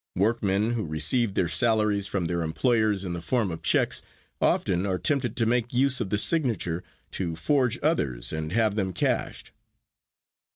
Workmen who receive their salaries from their employers in the form of checks often are tempted to make use of the signature to forge others and have them cashed.